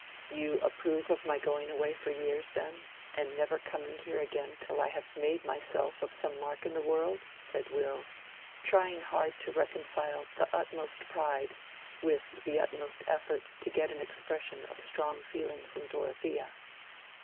"You approve of my going away for years, then, and never coming here again till I have made myself of some mark in the world?" said Will, trying hard to reconcile the utmost pride with the utmost effort to get an expression of strong feeling from Dorothea.